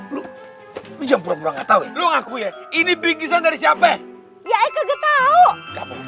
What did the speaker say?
lu jangan pura pura nggak tahu ya lu ngakui ya ini pingsan dari siapa ya kagak tahu